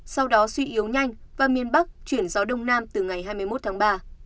sau đó suy yếu nhanh và miền bắc chuyển gió đông nam từ ngày hai mươi một tháng ba